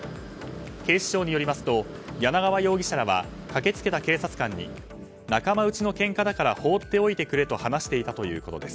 警視庁によりますと柳川容疑者らは駆け付けた警察官に仲間内のけんかだから放っておいてくれと話していたということです。